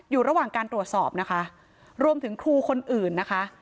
อยู่ระหว่างการตรวจสอบนะคะรวมถึงครูคนอื่นนะคะ